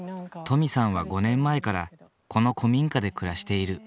登美さんは５年前からこの古民家で暮らしている。